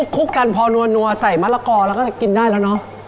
ลุกกันพอนัวใส่มะละกอแล้วก็กินได้แล้วเนอะ